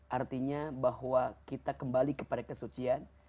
artinya bahwa kita kembali kepada kesucian